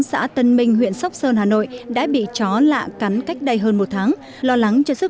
xã tân minh huyện sóc sơn hà nội đã bị chó lạ cắn cách đây hơn một tháng lo lắng cho sức